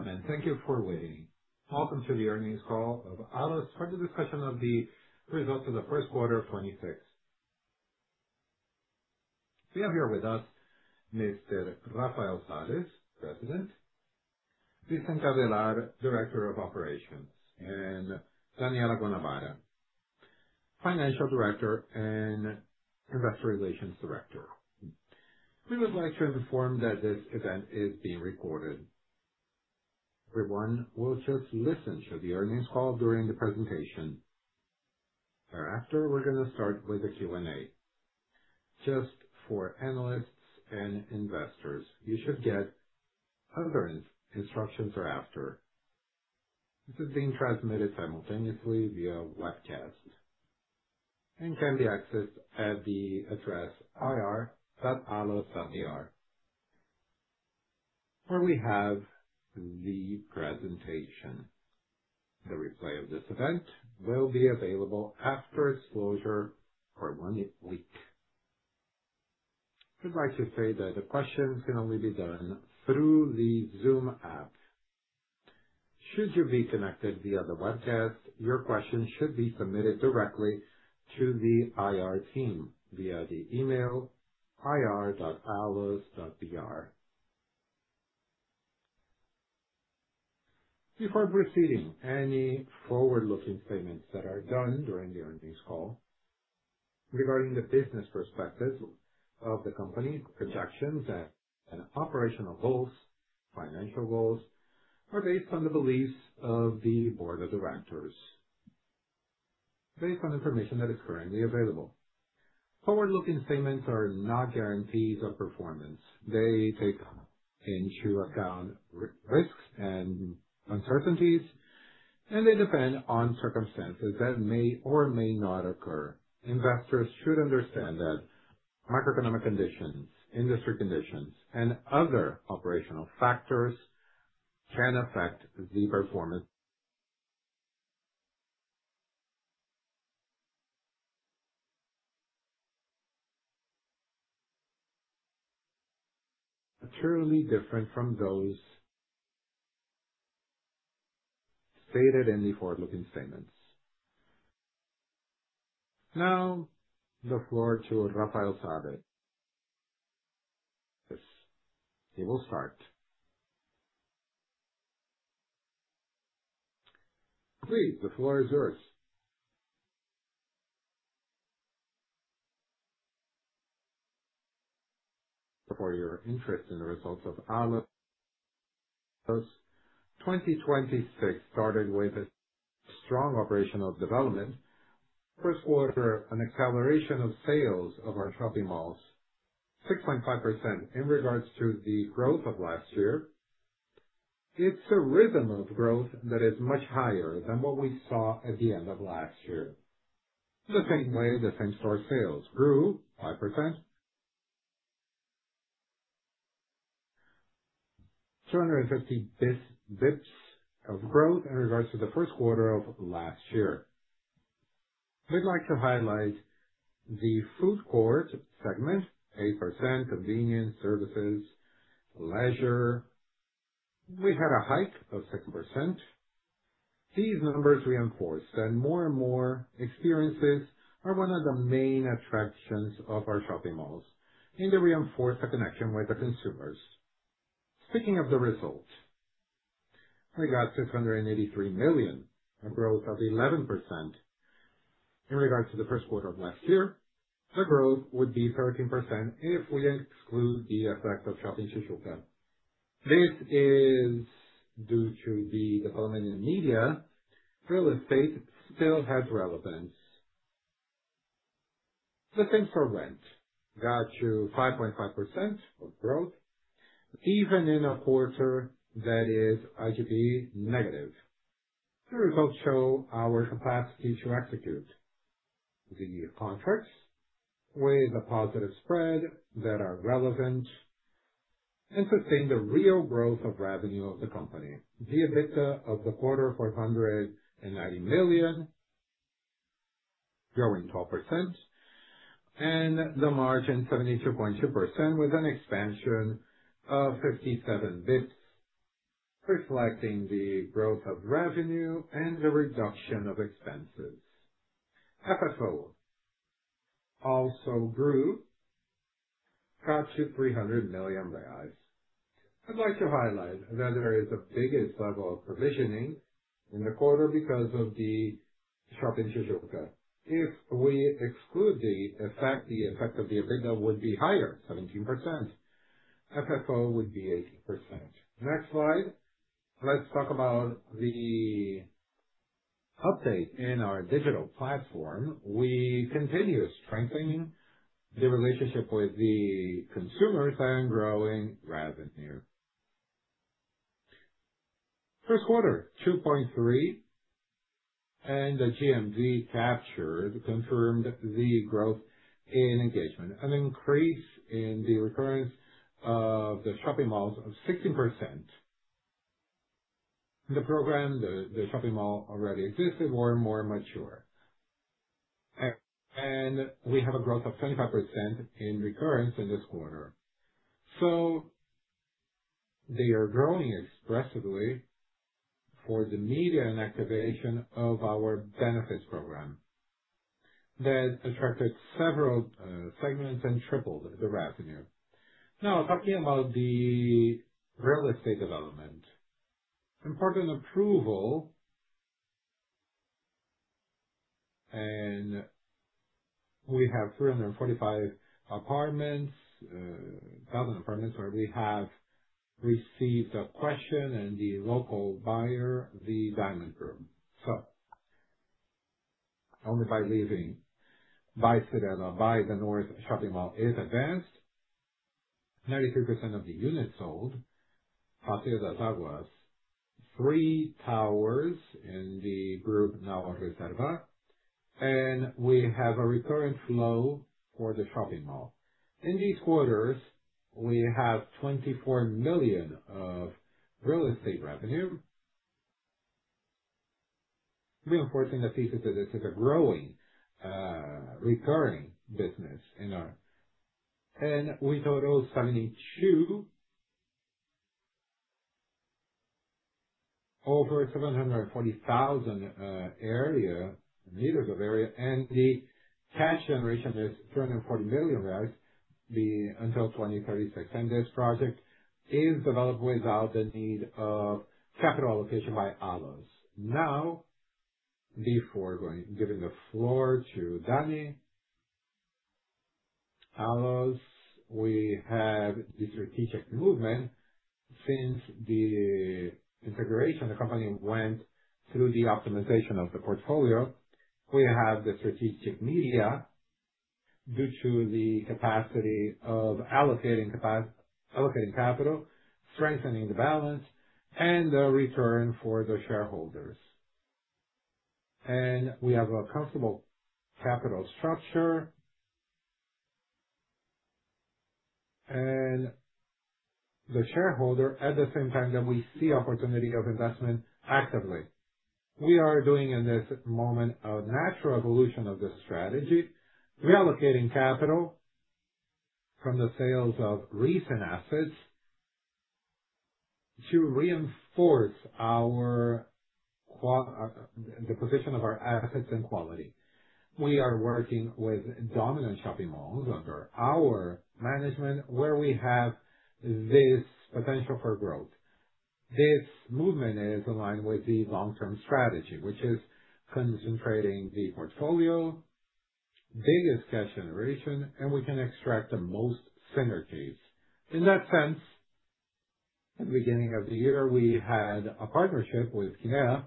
Good morning. Thank you for waiting. Welcome to the earnings call of Allos for the discussion of the results of the first quarter of 2026. We have here with us Mr. Rafael Salles, President, Vicente Avellar, Director of Operations, and Daniella Guanabara, Financial Director and Investor Relations Director. We would like to inform that this event is being recorded. Everyone will just listen to the earnings call during the presentation. Thereafter, we're going to start with the Q&A. Just for analysts and investors, you should get relevant instructions thereafter. This is being transmitted simultaneously via webcast and can be accessed at the address ir.allos.br, where we have the presentation. The replay of this event will be available after closure for one week. We'd like to say that the questions can only be done through the Zoom app. Should you be connected via the webcast, your questions should be submitted directly to the IR team via the email ir.allos.br. Before proceeding, any forward-looking statements that are done during the earnings call regarding the business perspectives of the company, projections, and operational goals, financial goals, are based on the beliefs of the board of directors based on information that is currently available. Forward-looking statements are not guarantees of performance. They take into account risks and uncertainties, and they depend on circumstances that may or may not occur. Investors should understand that macroeconomic conditions, industry conditions, and other operational factors can affect the performance materially different from those stated in the forward-looking statements. The floor to Rafael Salles. He will start. Great. The floor is yours. Thank you for your interest in the results of Allos. 2026 started with a strong operational development. First quarter, an acceleration of sales of our shopping malls, 6.5% in regards to the growth of last year. It's a rhythm of growth that is much higher than what we saw at the end of last year. The same way the same-store sales grew 5%, 250 basis points of growth in regards to the first quarter of last year. We'd like to highlight the food court segment, 8%, convenience, services, leisure. We had a hike of 6%. These numbers reinforce that more and more experiences are one of the main attractions of our shopping malls and they reinforce the connection with the consumers. Speaking of the result, we got 683 million, a growth of 11%. In regards to the first quarter of last year, the growth would be 13% if we exclude the effect of Shopping Tijuca. This is due to the development in media. Real estate still has relevance. The same for rent. Got to 5.5% of growth, even in a quarter that is IGP negative. The results show our capacity to execute the contracts with a positive spread that are relevant and sustain the real growth of revenue of the company. The EBITDA of the quarter, 490 million, growing 12%, and the margin 72.2% with an expansion of 57 bps, reflecting the growth of revenue and the reduction of expenses. FFO also grew. Got to 300 million. I'd like to highlight that there is the biggest level of provisioning in the quarter because of the Shopping Tijuca. If we exclude the effect, the effect of the EBITDA would be higher, 17%. FFO would be 18%. Next slide. Let's talk about the update in our digital platform. We continue strengthening the relationship with the consumers and growing revenue. First quarter, 2.3. The GMV captured confirmed the growth in engagement. An increase in the recurrence of the shopping malls of 16%. The program, the shopping mall already existed, more and more mature. We have a growth of 25% in recurrence in this quarter. They are growing expressively for the media and activation of our benefits program that attracted several segments and tripled the revenue. Now, talking about the real estate development. Important approval, and we have 345 apartments, 1,000 apartments, where we have received a question and the local buyer, the diamond group. Owned by leasing by Reserva, by the NorteShopping is advanced. 93% of the units sold, Passeio das Águas, three towers in the group now of Reserva, and we have a recurrence flow for the shopping mall. In these quarters, we have 24 million of real estate revenue. The important thesis is this is a growing, recurring business in our. We total 72 over 740,000 meters of area. The cash generation is 340 million. Until 2036, this project is developed without the need of capital allocation by Allos. Before giving the floor to Dani. Allos, we had the strategic movement since the integration of the company went through the optimization of the portfolio. We have the strategic media due to the capacity of allocating capital, strengthening the balance, and the return for the shareholders. We have a comfortable capital structure. The shareholder at the same time that we see opportunity of investment actively. We are doing in this moment a natural evolution of the strategy, reallocating capital from the sales of recent assets to reinforce the position of our assets and quality. We are working with dominant shopping malls under our management, where we have this potential for growth. This movement is aligned with the long-term strategy, which is concentrating the portfolio, biggest cash generation, and we can extract the most synergies. In that sense, at the beginning of the year, we had a partnership with Kinea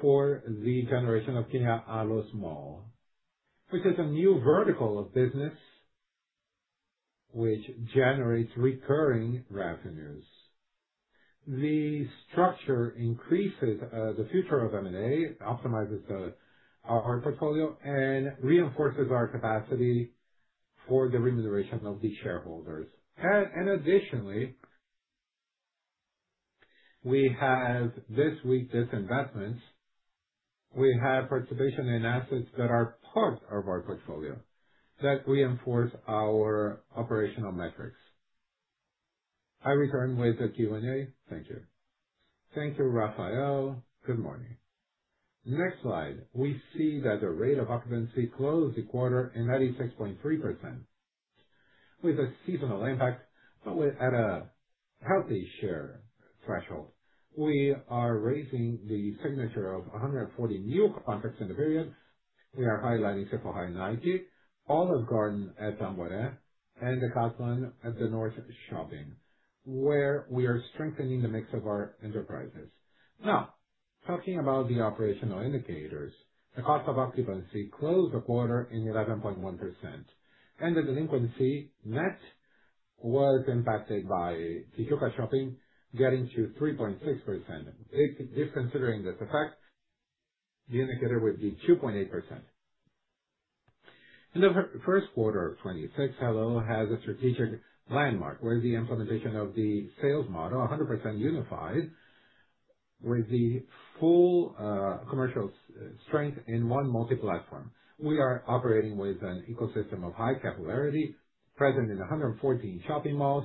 for the generation of Kinea Allos Mall, which is a new vertical of business which generates recurring revenues. The structure increases the future of M&A, optimizes our portfolio, and reinforces our capacity for the remuneration of the shareholders. Additionally, we have this week disinvestment. We have participation in assets that are part of our portfolio that reinforce our operational metrics. I return with the Q&A. Thank you. Thank you, Rafael. Good morning. Next slide. We see that the rate of occupancy closed the quarter in 96.3% with a seasonal impact, but at a healthy share threshold. We are raising the signature of 140 new contracts in appearance. We are highlighting Sephora and Nike, Olive Garden at Tamboré, and the Casan at the NorteShopping, where we are strengthening the mix of our enterprises. Talking about the operational indicators, the cost of occupancy closed the quarter in 11.1%, and the delinquency net was impacted by Shopping Tijuca getting to 3.6%. Disconsidering this effect, the indicator would be 2.8%. In the first quarter of 2026, Helloo has a strategic landmark where the implementation of the sales model 100% unified with the full commercial strength in one multi-platform. We are operating with an ecosystem of high capillarity, present in 114 shopping malls,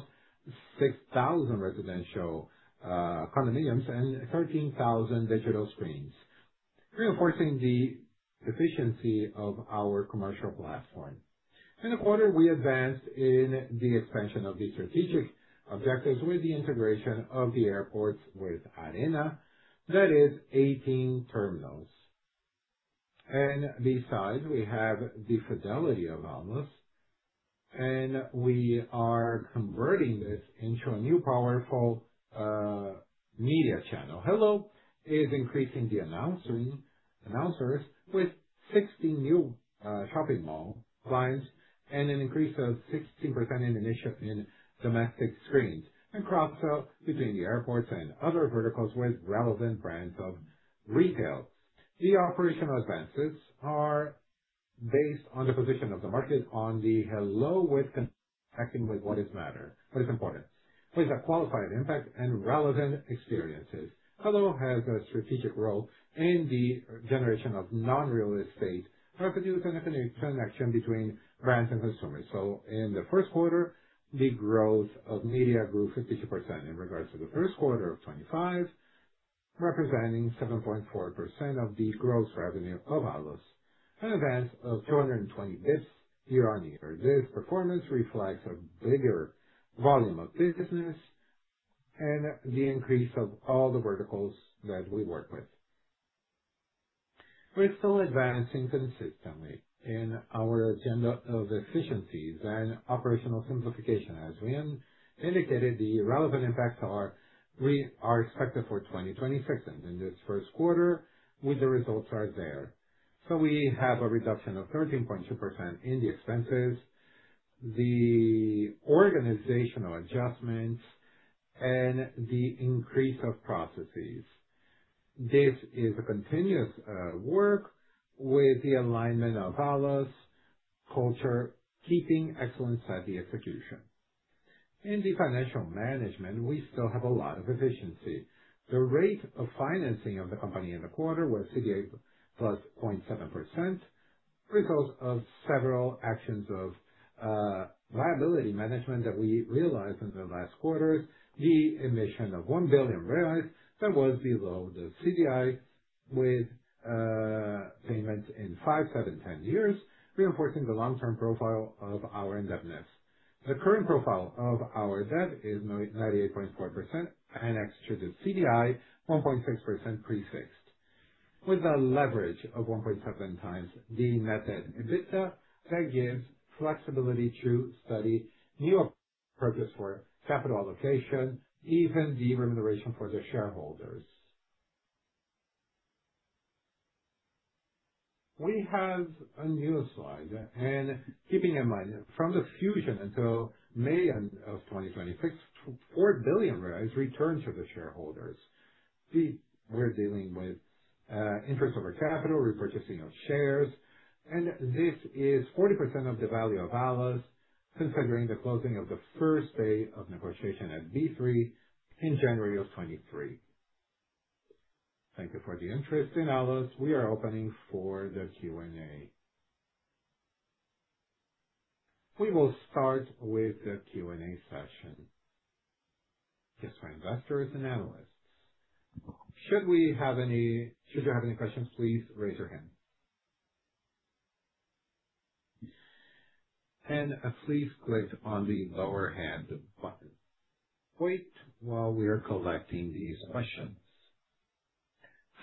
6,000 residential condominiums, and 13,000 digital screens, reinforcing the efficiency of our commercial platform. In the quarter, we advanced in the expansion of the strategic objectives with the integration of the airports with Aena. That is 18 terminals. This side, we have the fidelity of Allos, and we are converting this into a new powerful media channel. Helloo is increasing the announcers with 60 new shopping mall clients and an increase of 16% in initiative in domestic screens and cross-sells between the airports and other verticals with relevant brands of retail. The operational advances are based on the position of the market on the Helloo withActing with what matters, what is important, what is a qualified impact and relevant experiences. Allos has a strategic role in the generation of non-real estate, representing a connection between brands and customers. In the first quarter, the growth of media grew 52% in regards to the first quarter of 2025, representing 7.4% of the gross revenue of Allos, an advance of 220 basis points year-on-year. This performance reflects a bigger volume of business and the increase of all the verticals that we work with. We're still advancing consistently in our agenda of efficiencies and operational simplification. As we indicated, the relevant impacts are expected for 2026 and in this first quarter with the results are there. We have a reduction of 13.2% in the expenses, the organizational adjustments, and the increase of processes. This is a continuous work with the alignment of Allos culture, keeping excellence at the execution. In the financial management, we still have a lot of efficiency. The rate of financing of the company in the quarter was CDI plus 0.7%, result of several actions of liability management that we realized in the last quarters, the emission of 1 billion reais that was below the CDI with payments in five, seven, 10 years, reinforcing the long-term profile of our indebtedness. The current profile of our debt is 98.4% indexed to the CDI, 1.6% pre-fixed. With a leverage of 1.7x the net debt EBITDA, that gives flexibility to study new purposes for capital allocation, even the remuneration for the shareholders. We have a new slide and keeping in mind, from the fusion until May of 2026, 4 billion returned to the shareholders. We're dealing with interest over capital, repurchasing of shares, and this is 40% of the value of Allos considering the closing of the first day of negotiation at B3 in January of 2023. Thank you for the interest in Allos. We are opening for the Q&A. We will start with the Q&A session. Just for investors and analysts. Should you have any questions, please raise your hand. Please click on the lower hand button. Wait while we are collecting these questions.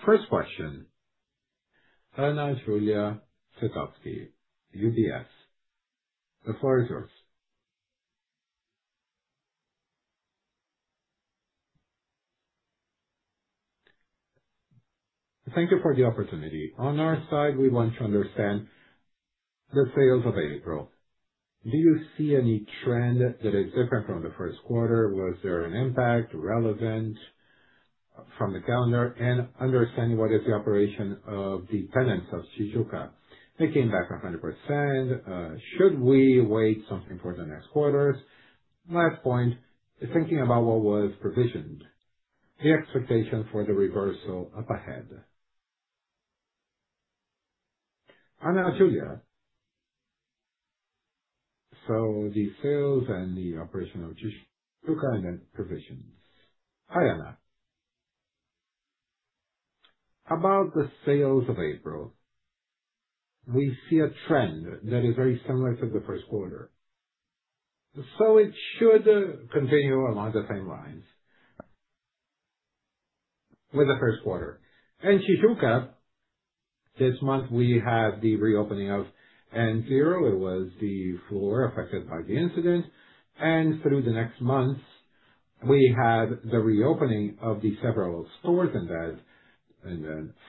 First question. Ana Júlia Zerkowski, UBS. The floor is yours. Thank you for the opportunity. On our side, we want to understand the sales of April. Do you see any trend that is different from the first quarter? Was there an impact relevant from the calendar and understand what is the operation of the tenants of Shopping Tijuca? They came back 100%. Should we wait something for the next quarters? My point is thinking about what was provisioned, the expectation for the reversal up ahead. Ana Julia. The sales and the operation of Shopping Tijuca and the provisions. Ayana. About the sales of April, we see a trend that is very similar to the first quarter. It should continue along the same lines with the first quarter. In Shopping Tijuca, this month, we have the reopening of Antero. It was the floor affected by the incident, and through the next months, we have the reopening of the several stores in that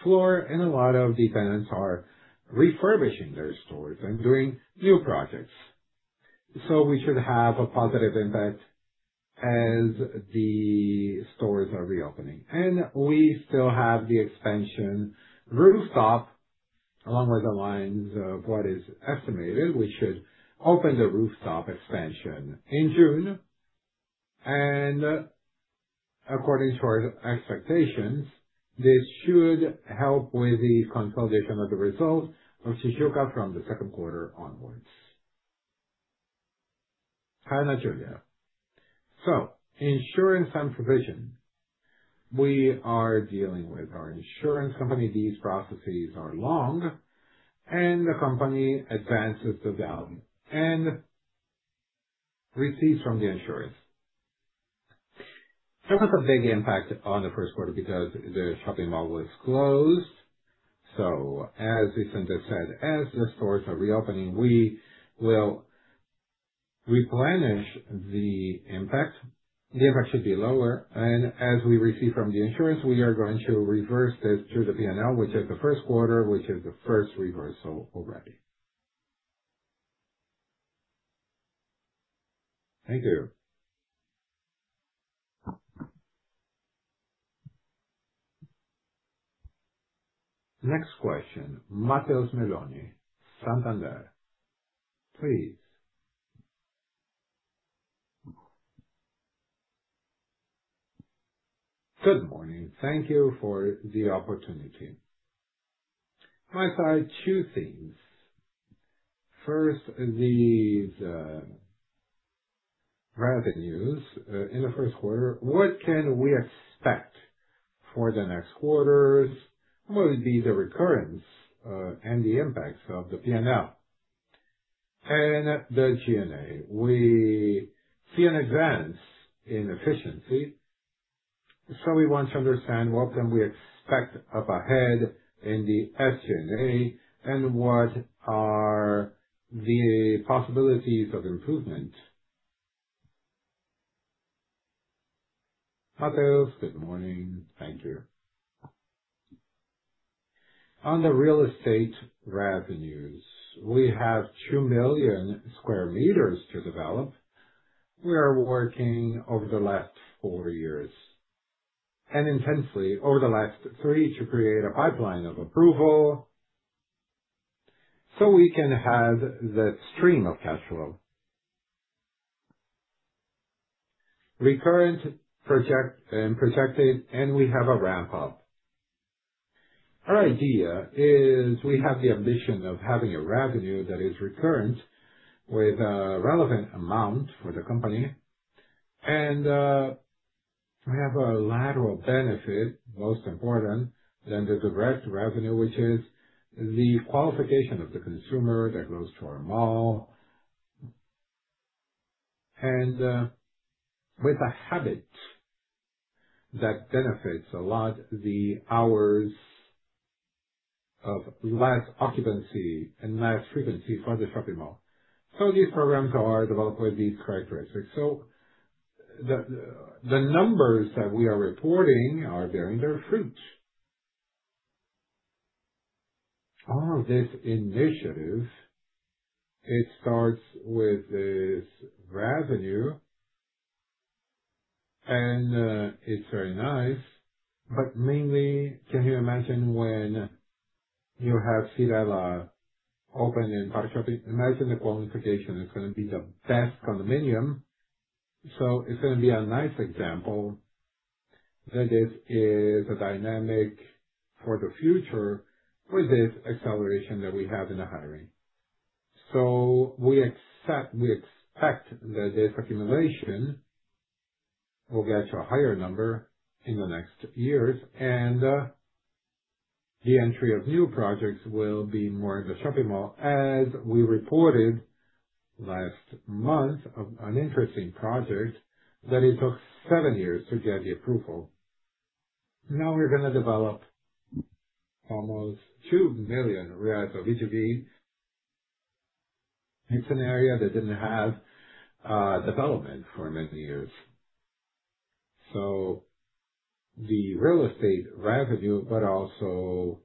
floor, and a lot of the tenants are refurbishing their stores and doing new projects. We should have a positive impact as the stores are reopening. We still have the expansion rooftop along the lines of what is estimated. We should open the rooftop expansion in June. According to our expectations, this should help with the consolidation of the results of Shopping Tijuca from the second quarter onwards. Ana Julia. Insurance and provision. We are dealing with our insurance company. These processes are long. The company advances the value and receives from the insurers. It was a big impact on the first quarter because the shopping mall was closed. As Vicente said, as the stores are reopening, we will replenish the impact. The impact should be lower. As we receive from the insurers, we are going to reverse this through the P&L, which is the first quarter, which is the first reversal already. Thank you. Next question, Matheus Meloni, Santander. Please. Good morning. Thank you for the opportunity. I have two things. First, the revenue news in the first quarter, what can we expect for the next quarters? Will it be the recurrence and the impacts of the P&L? The G&A, we see an advance in efficiency. We want to understand what can we expect up ahead in the SG&A and what are the possibilities of improvement? Matheus, good morning. Thank you. On the real estate revenues, we have 2 million sq m to develop. We are working over the last four years and intensely over the last three to create a pipeline of approval, so we can have the stream of cash flow. Recurrent, protected, and we have a ramp-up. Our idea is we have the ambition of having a revenue that is recurrent with a relevant amount for the company, and we have a lateral benefit, most important than the direct revenue, which is the qualification of the consumer that goes to our mall, with a habit that benefits a lot the hours of less occupancy and less frequency for the shopping mall. These programs are developed with these characteristics. The numbers that we are reporting are bearing their fruit. All of these initiatives, it starts with this revenue, and it's very nice. Mainly, can you imagine when you have Cielo open in BarraShopping? Imagine the qualification is going to be the best condominium. It's going to be a nice example that this is a dynamic for the future for this acceleration that we have in the hiring. We expect that this accumulation will get to a higher number in the next years, and the entry of new projects will be more in the shopping mall, as we reported last month of an interesting project that it took seven years to get the approval. Now we're going to develop almost BRL 2 million of ESG in an area that didn't have development for many years. The real estate revenue, also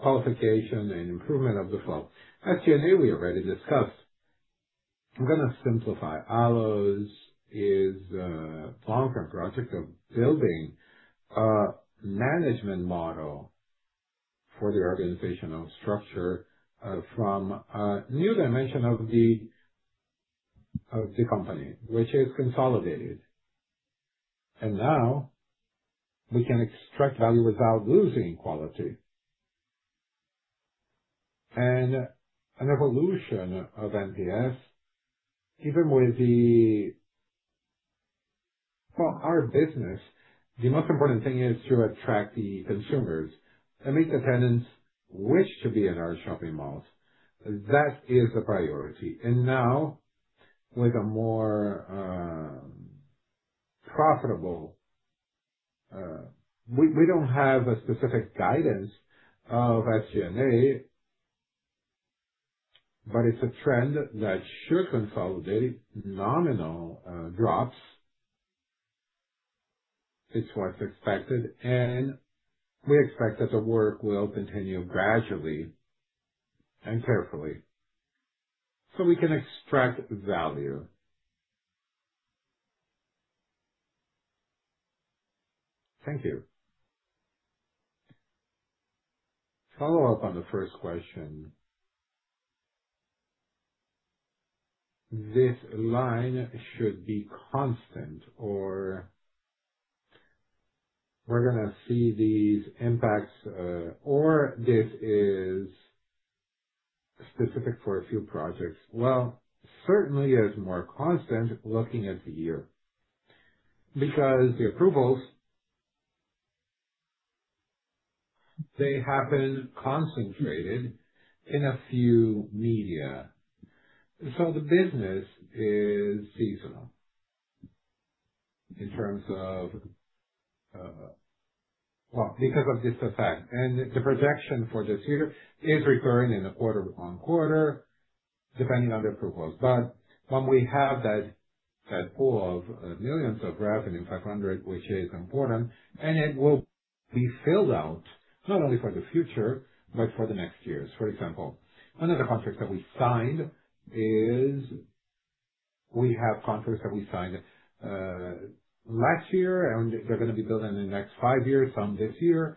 qualification and improvement of the self. SG&A, we already discussed. I'm going to simplify. Allos is a long-term project of building a management model for the organizational structure from a new dimension of the company, which is consolidated. Now we can extract value without losing quality. An evolution of NPS, even with the. For our business, the most important thing is to attract the consumers and make the tenants wish to be in our shopping malls. That is the priority. Now with a more profitable. We don't have a specific guidance of SG&A, it's a trend that should consolidate nominal drops. It's what's expected, we expect that the work will continue gradually and carefully so we can extract value. Thank you. Follow up on the first question. This line should be constant, or we're going to see these impacts, or this is specific for a few projects. Certainly is more constant looking at the year because the approvals, they have been concentrated in a few media. The business is seasonal in terms of because of this effect. The projection for this year is recurring in the quarter-on-quarter, depending on the approvals. When we have that pool of millions of revenue, 500, which is important, and it will be filled out not only for the future but for the next years. For example, another contract that we signed is. We have contracts that we signed last year, and they're going to be built in the next five years, some this year.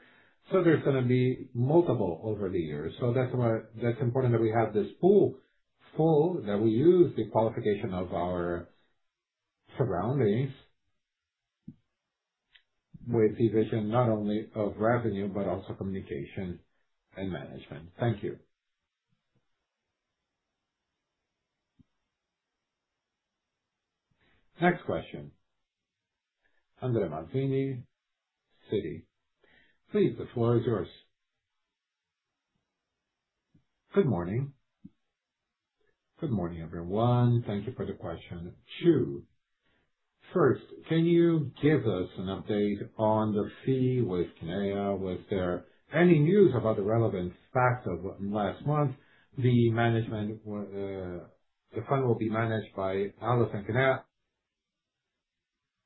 There's going to be multiple over the years. That's why that's important that we have this pool so that we use the qualification of our surroundings with the vision not only of revenue but also communication and management. Thank you. Next question, André Mazini, Citi. Please, the floor is yours. Good morning. Good morning, everyone. Thank you for the question, too. First, can you give us an update on the FII with Kinea? Was there any news about the relevant facts of last month? The fund will be managed by Allos and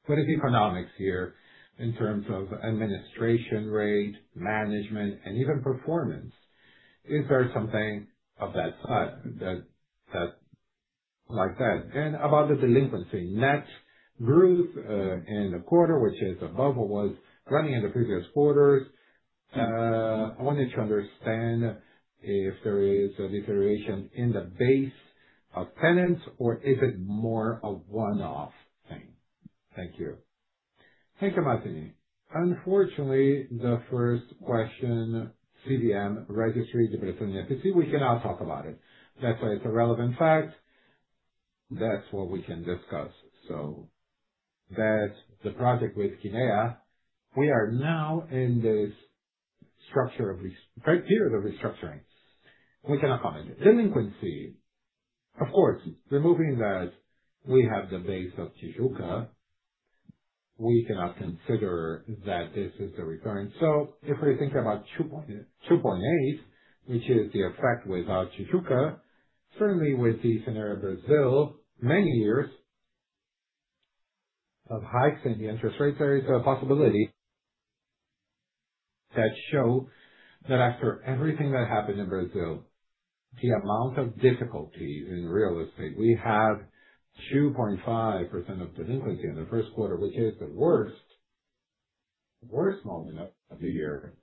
Kinea. What are the economics here in terms of administration rate, management, and even performance? Is there something of that sort? About the delinquency net growth in the quarter, which is above what was growing in the previous quarters. I wanted to understand if there is a deterioration in the base of tenants or is it more a one-off thing? Thank you. Thanks, Mazini. Unfortunately, the first question, CVM registry of Brazil, you can see we cannot talk about it. That's why it's a relevant fact. That's what we can discuss. The project with Kinea, we are now in this period of restructuring. We cannot comment. Delinquency, of course, removing that we have the base of Shopping Tijuca, we cannot consider that this is the return. If we think about 2.8, which is the effect without Shopping Tijuca, certainly with the scenario of Brazil, many years of high interest rates, there is a possibility that show that after everything that happened in Brazil, the amount of difficulty in real estate, we had 2.5% of delinquency in the first quarter, which is the worst moment of the year.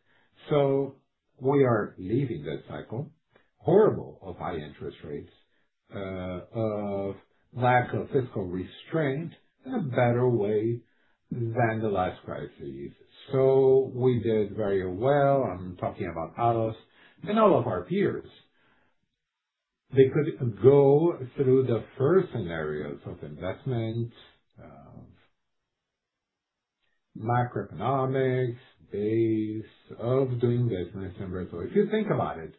We are leaving that cycle, horrible of high interest rates, of lack of fiscal restraint in a better way than the last crises. We did very well. I'm talking about Allos and all of our peers. They could go through the first scenarios of investment, of macroeconomics, base of doing business in Brazil. If you think about it,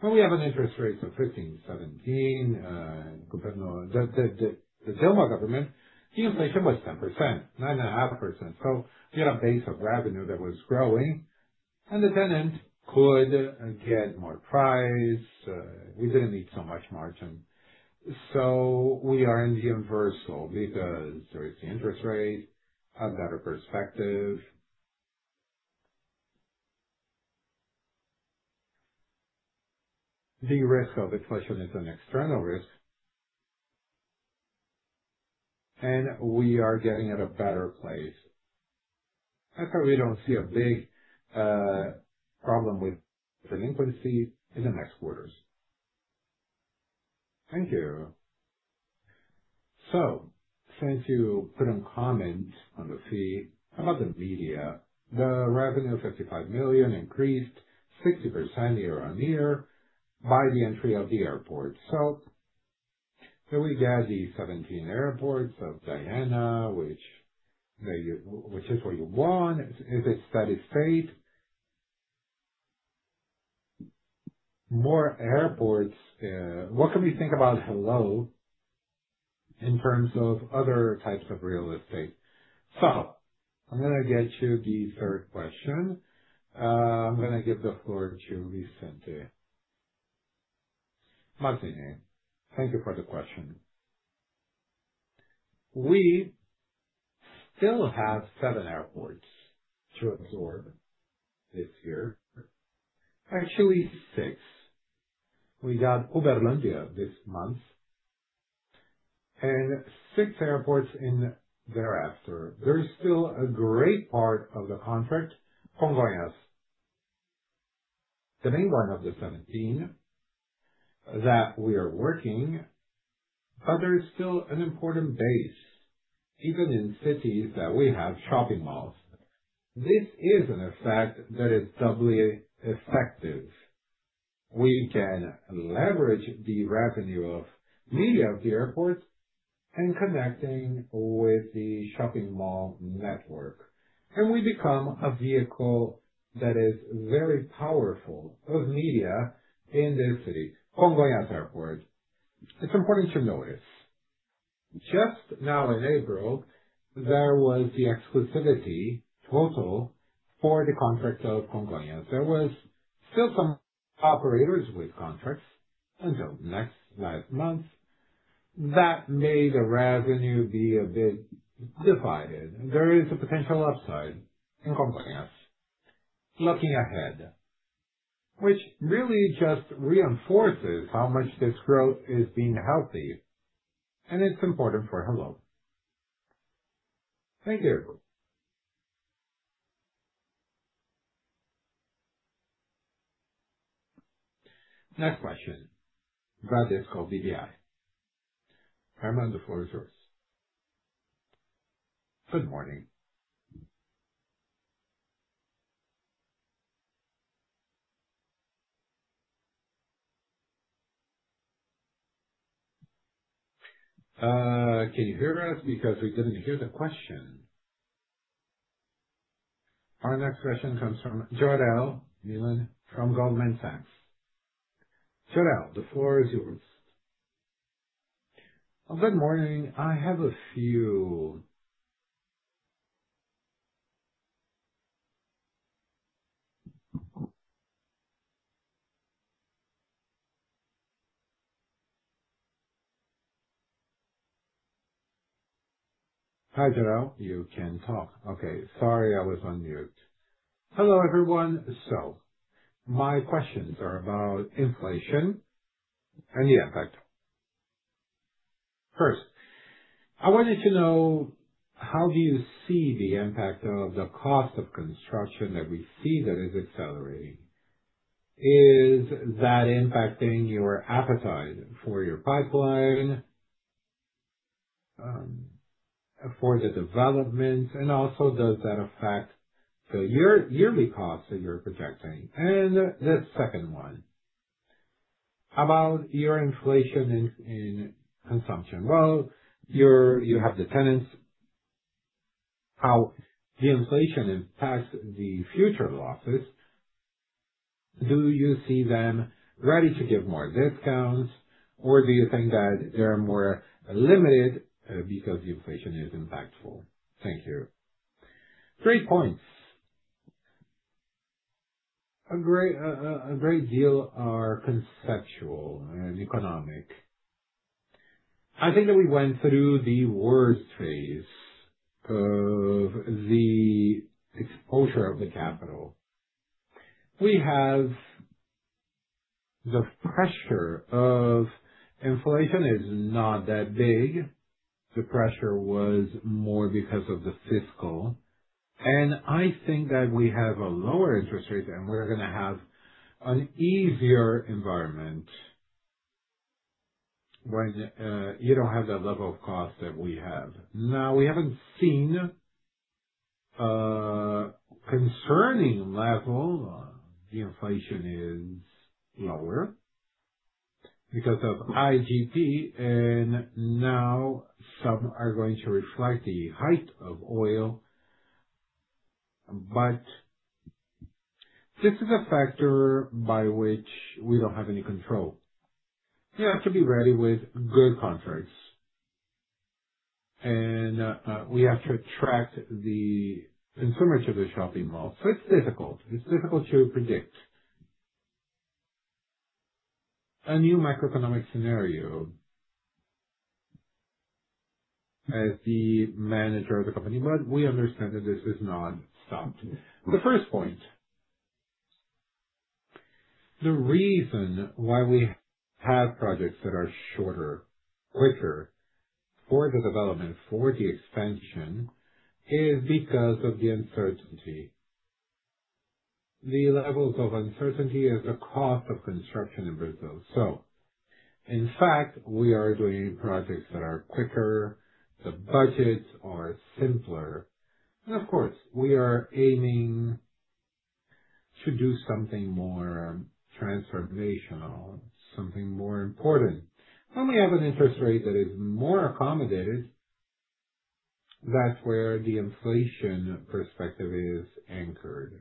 when we have an interest rate of 15.17, the Dilma government, inflation was 10%, 9.5%. You had a base of revenue that was growing, and the tenant could get more price. We didn't need so much margin. We are in the inverse because there is the interest rate, a better perspective. The risk of inflation is an external risk, and we are getting at a better place. That's why we don't see a big problem with delinquency in the next quarters. Thank you. Since you put in comment on the fee about the media, the revenue of 55 million increased 60% year-on-year by the entry of the airport. We add the 17 airports of Aena, which is what you want. If it's steady state, more airports. What can we think about Allos in terms of other types of real estate? I'm going to get you the third question. I'm going to give the floor to Vicente Avellar. Thank you for the question. We still have seven airports to absorb this year. Actually, six. We got Uberlandia this month and six airports in thereafter. There's still a great part of the contract, Congonhas, the main part of the 17 that we are working, but there's still an important base, even in cities that we have shopping malls. This is an effect that is doubly effective. We can leverage the revenue of media of the airports and connecting with the shopping mall network. We become a vehicle that is very powerful of media in this city, Congonhas Airport. It's important to notice. Just now in April, there was the exclusivity total for the contract of Congonhas. There was still some operators with contracts until next nine months that made the revenue be a bit divided. There is a potential upside in Congonhas, looking ahead, which really just reinforces how much this growth is being healthy, and it's important for our growth. Thank you. Next question, Gladys from BDI. Carmen, the floor is yours. Good morning. Can you hear us? Because we didn't hear the question. Our next question comes from Jorel Guilloty from Goldman Sachs. Jorel, the floor is yours. Good morning.I have a few. Hi, Jorel. You can talk. Okay. Sorry, I was on mute. Hello, everyone. My questions are about inflation and the effect. First, I wanted to know how do you see the impact of the cost of construction that we see that is accelerating? Is that impacting your appetite for your pipeline, for the developments, and also does that affect the yearly costs that you're projecting? The second one, about your inflation in consumption. Well, you have the tenants, how the inflation impacts the future losses. Do you see them ready to give more discounts, or do you think that they're more limited because the inflation is impactful? Thank you. Great points. A great deal are conceptual and economic. I think that we went through the worst phase of the exposure of the capital. We have the pressure of inflation is not that big. The pressure was more because of the fiscal. I think that we have a lower interest rate, and we're going to have an easier environment when you don't have that level of cost that we have. We haven't seen a concerning level. The inflation is lower because of IGP, and now some are going to reflect the hike of oil. This is a factor by which we don't have any control. We have to be ready with good contracts, and we have to attract the consumers of the shopping mall. It's difficult. It's difficult to predict a new macroeconomic scenario as the manager of the company. We understand that this is non-stop. The first point, the reason why we have projects that are shorter, quicker for the development, for the expansion, is because of the uncertainty. The levels of uncertainty is the cost of construction in Brazil. In fact, we are doing projects that are quicker, the budgets are simpler. Of course, we are aiming to do something more transformational, something more important. When we have an interest rate that is more accommodated, that's where the inflation perspective is anchored.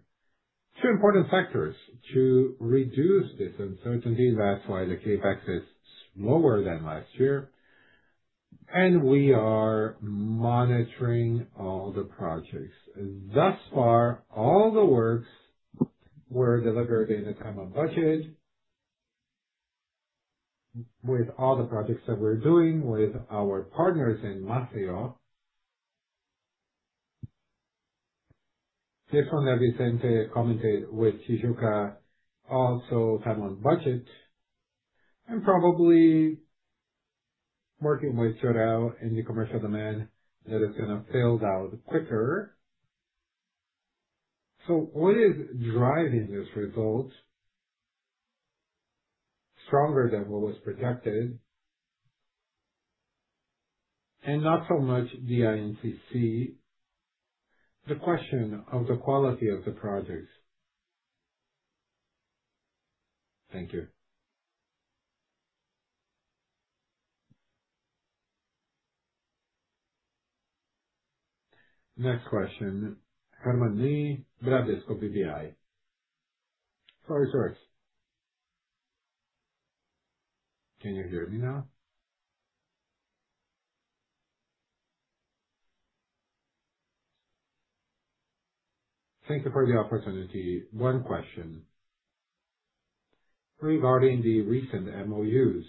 Two important factors to reduce this uncertainty. That's why the CapEx is slower than last year, and we are monitoring all the projects. Thus far, all the works were delivered in the time and budget with all the projects that we're doing with our partners in Maceió. This one that Vicente commented with Tijuca, also time on budget, and probably working with Jorel in the commercial demand, that is going to build out quicker. What is driving this result stronger than what was projected, and not so much the INCC, the question of the quality of the project. Thank you. Next question, [Carmen Gladys] of BDI. The floor is yours. Can you hear me now? Thank you for the opportunity. One question regarding the recent MOUs,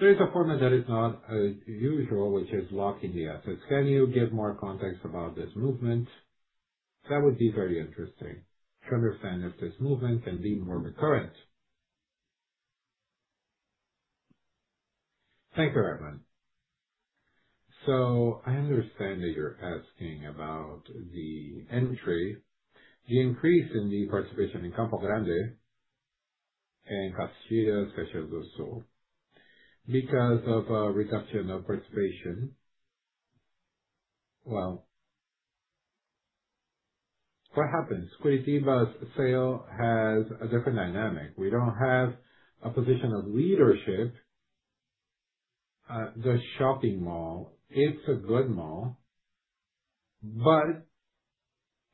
a format that is not as usual, which is locking the assets. Can you give more context about this movement? That would be very interesting to understand if this movement can be more recurrent. Thank you, [Carmen]. I understand that you're asking about the entry, the increase in the participation in Campo Grande and Castilho, especially also because of a reduction of participation. Well, what happens? Iguatemi's sale has a different dynamic. We don't have a position of leadership at the shopping mall. It's a good mall, but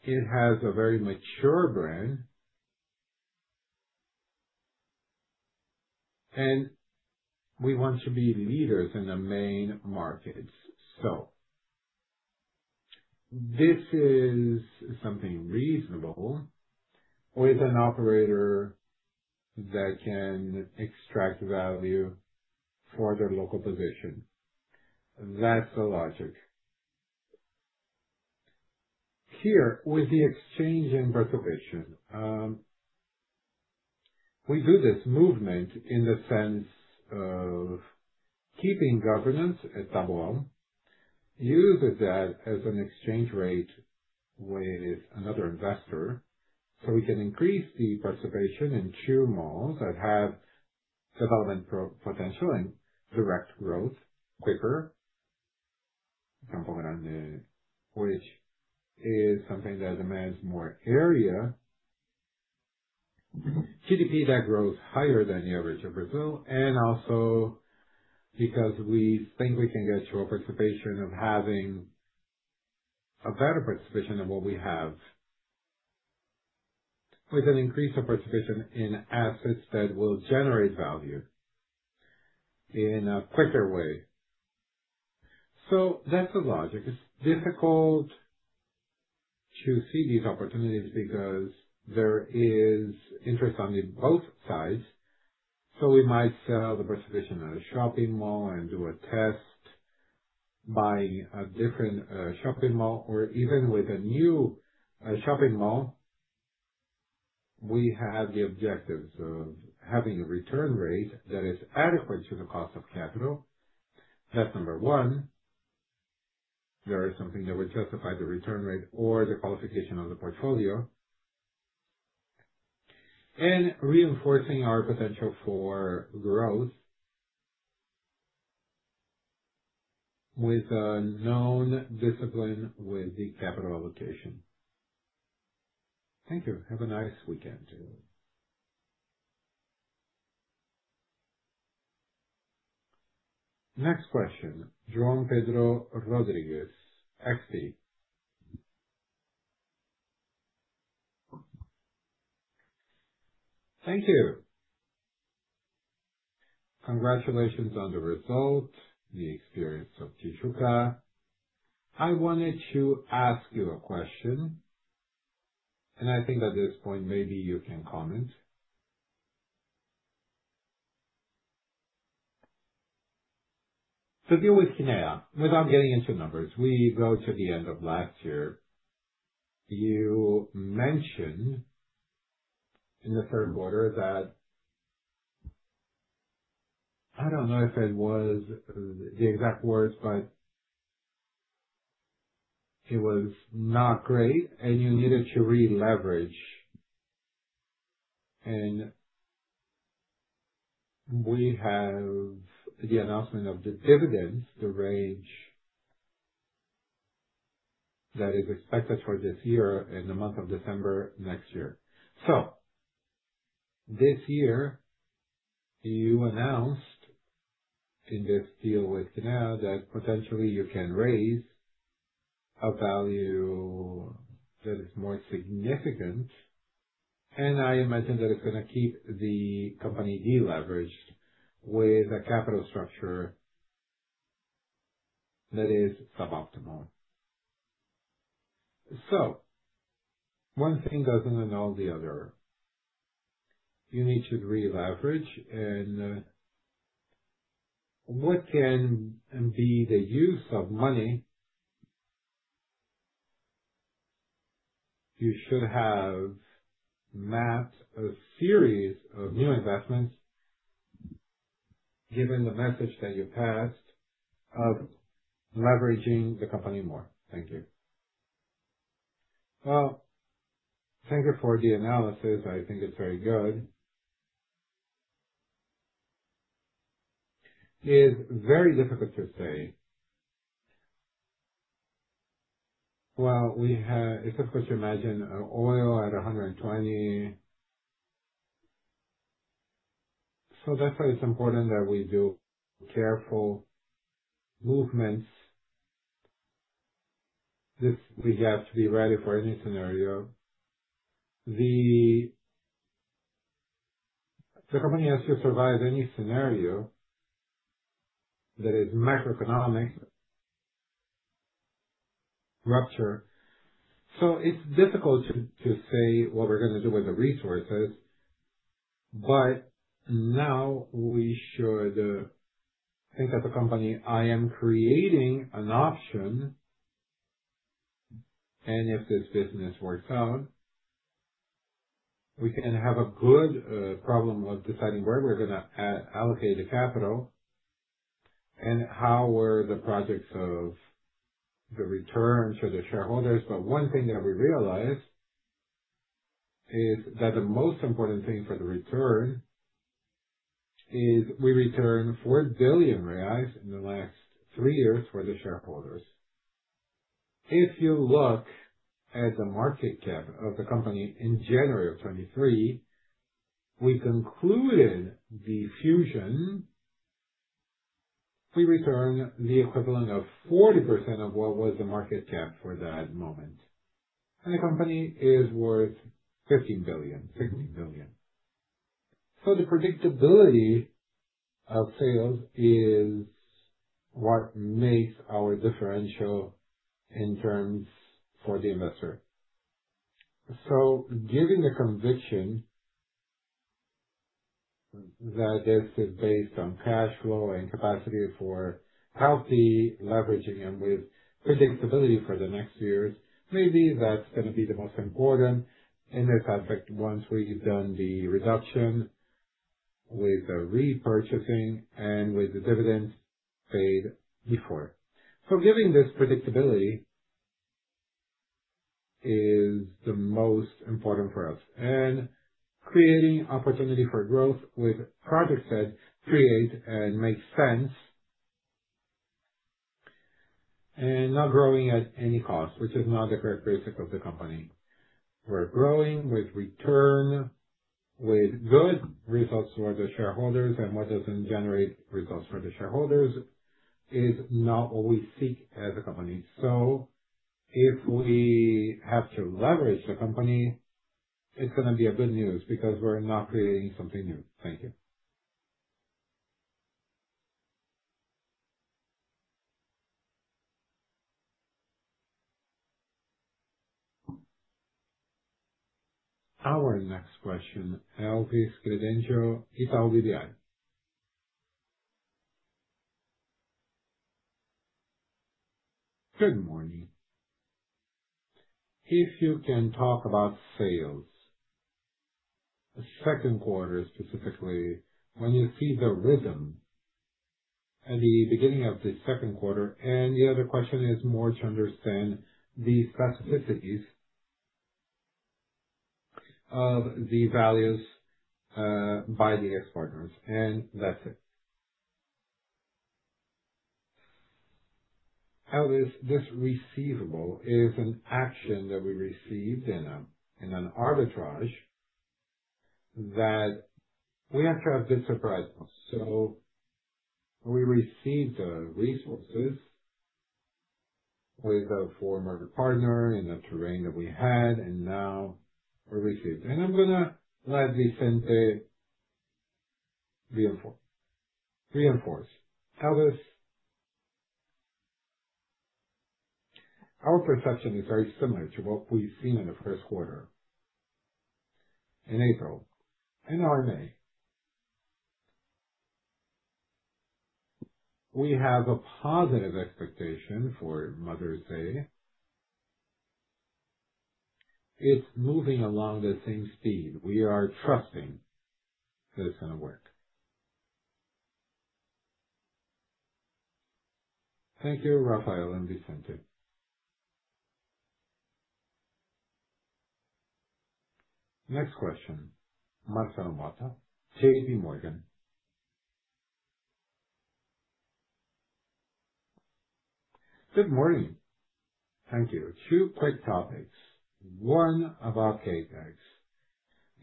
it has a very mature brand, and we want to be leaders in the main markets. This is something reasonable with an operator that can extract value for their local position. That's the logic. Here with the exchange in participation, we do this movement in the sense of keeping governance at São Paulo, use that as an exchange rate with another investor so we can increase the participation in two malls that have development potential and direct growth quicker, Campo Grande, which is something that demands more area, GDP that grows higher than the average of Brazil, and also because we think we can get to a participation of having a better participation than what we have with an increased participation in assets that will generate value in a quicker way. That's the logic. It's difficult to see these opportunities because there is interest on both sides. We might sell the participation at a shopping mall and do a test buying a different shopping mall, or even with a new shopping mall, we have the objectives of having a return rate that is adequate to the cost of capital. That's number one. There is something that would justify the return rate or the qualification of the portfolio and reinforcing our potential for growth with a known discipline with the capital allocation. Thank you. Have a nice weekend. Next question, João Rodrigues, XP. Thank you. Congratulations on the result, the experience of Tijuca. I wanted to ask you a question, and I think at this point, maybe you can comment. To deal with Kinea, without getting into numbers, we go to the end of last year. You mentioned in the third quarter that, I don't know if it was the exact words, but it was not great, and you needed to re-leverage. We have the announcement of the dividends, the range that is expected for this year and the month of December next year. This year, you announced in this deal with Kinea that potentially you can raise a value that is more significant, and I imagine that it's going to keep the company de-leveraged with a capital structure that is suboptimal. One thing doesn't annul the other. You need to re-leverage and what can be the use of money you should have mapped a series of new investments given the message that you passed of leveraging the company more. Thank you. Well, thank you for the analysis. I think it's very good. It is very difficult to say. Well, it's difficult to imagine oil at 120. That's why it's important that we do careful movements. We have to be ready for any scenario. The company has to survive any scenario that is macroeconomic rupture. It's difficult to say what we're going to do with the resources. Now we should think as a company, I am creating an option, and if this business works out, we can have a good problem of deciding where we're going to allocate the capital and how were the projects of the return to the shareholders. One thing that we realized is that the most important thing for the return is we returned 4 billion reais in the last three years for the shareholders. If you look at the market cap of the company in January of 2023, we concluded the fusion. We returned the equivalent of 40% of what was the market cap for that moment. The company is worth 15 billion. The predictability of sales is what makes our differential in terms for the investor. Given the conviction that this is based on cash flow and capacity for healthy leveraging and with predictability for the next years, maybe that's going to be the most important in this aspect once we've done the reduction with the repurchasing and with the dividends paid before. Giving this predictability is the most important for us and creating opportunity for growth with projects that create and make sense, and not growing at any cost, which is not the characteristic of the company. We're growing with return, with good results for the shareholders, and what doesn't generate results for the shareholders is not what we seek as a company. If we have to leverage the company, it's going to be a good news because we're not creating something new. Thank you. Our next question, Elvis Credendio, Itaú BBA. Good morning. If you can talk about sales, the second quarter, specifically, when you see the rhythm at the beginning of the second quarter, and the other question is more to understand the specificities of the values by the export groups. That's it. Elvis, this receivable is an action that we received in an arbitrage that we have to have the surprise box. We received the resources with our former partner and the terrain that we had, and now we receive. I'm going to let Vicente reinforce. Elvis, our perception is very similar to what we've seen in the first quarter, in April and our May. We have a positive expectation for Mother's Day. It's moving along the same speed. We are trusting that it's going to work. Thank you, Rafael and Vicente. Next question, Marcelo Motta, JPMorgan. Good morning. Thank you. Two quick topics. One about CapEx.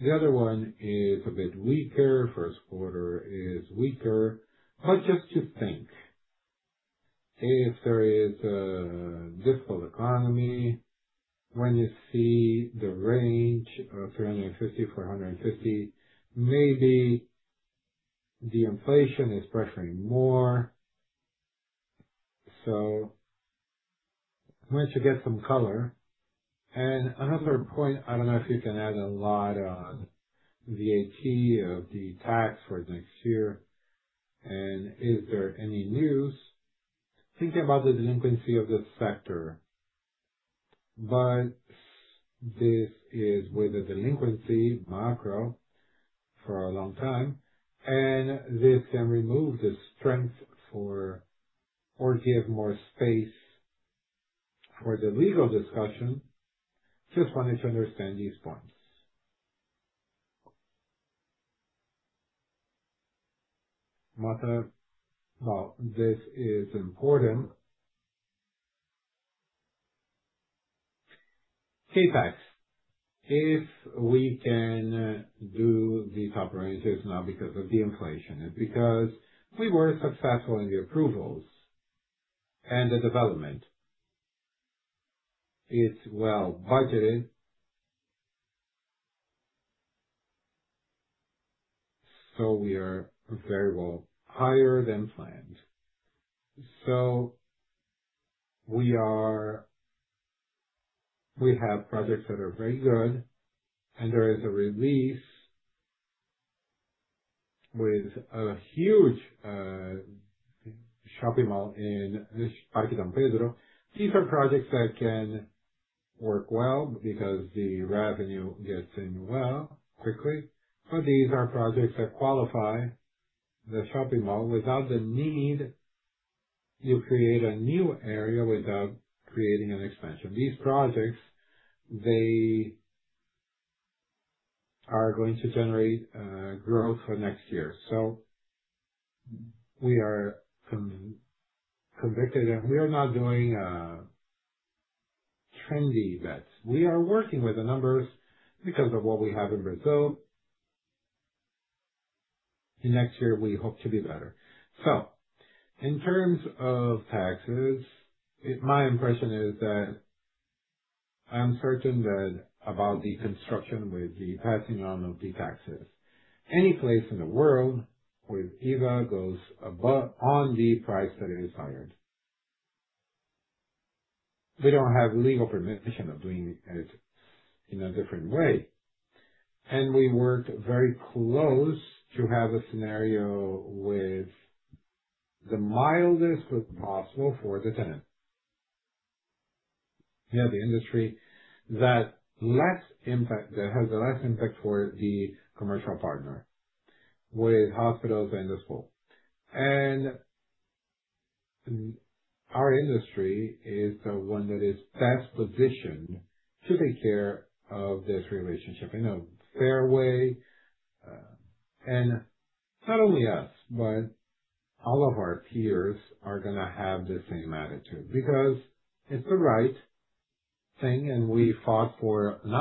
The other one is a bit weaker. First quarter is weaker. Just to think, if there is a difficult economy, when you see the range of 350-450, maybe the inflation is pressuring more. I want to get some color. Another point, I don't know if you can add a lot on the PE of the tax for next year, and is there any news? Think about the delinquency of the sector. This is with the delinquency macro for a long time, and this can remove the strength for or give more space for the legal discussion. Just wanted to understand these points. Motta. Well, this is important. CapEx, if we can do these operations now because of the inflation, because we were successful in the approvals and the development. It's well budgeted. We are very well higher than planned. We have projects that are very good, and there is a release with a huge shopping mall in Parque Dom Pedro. These are projects that can work well because the revenue gets in well quickly, or these are projects that qualify the shopping mall without the need to create a new area, without creating an expansion. These projects, they are going to generate growth for next year. We are convicted, and we are not doing trendy bets. We are working with the numbers because of what we have in Brazil. Next year, we hope to be better. In terms of taxes, my impression is that I'm certain about the construction with the passing on of the taxes. Any place in the world where IVA goes above on the price that is desired. They don't have legal permission of doing it in a different way. We work very close to have a scenario with the mildest way possible for the tenant. We have the industry that has the less impact for the commercial partner with hospitals and schools. Our industry is the one that is best positioned to take care of this relationship in a fair way. Not only us, but all of our peers are going to have the same attitude because it's the right thing, and we fought for an